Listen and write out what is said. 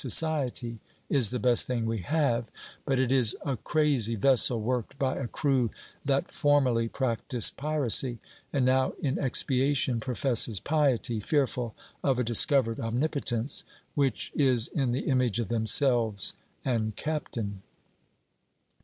Society is the best thing we have, but it is a crazy vessel worked by a crew that formerly practised piracy, and now, in expiation, professes piety, fearful of a discovered Omnipotence, which is in the image of themselves and captain.